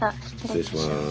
失礼いたします。